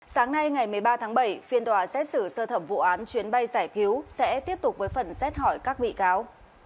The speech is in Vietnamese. sáng nay ngày một mươi ba tháng bảy phiên tòa xét xử sơ thẩm vụ án chuyến bay giải cứu sẽ tiếp tục với phần xét hỏi các bị cáo